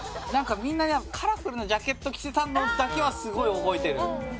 みんなカラフルなジャケット着てたのだけはすごい覚えてる。